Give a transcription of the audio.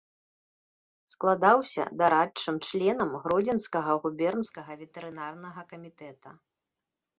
Складаўся дарадчым членам гродзенскага губернскага ветэрынарнага камітэта.